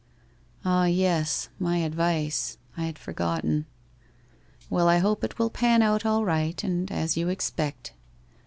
' 'Ah, yes, my advice] I had forgotten. Well, T hope it will pan out all right and as you expect.